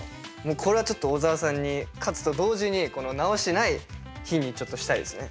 これはちょっと小沢さんに勝つと同時に直しない日にしたいですね。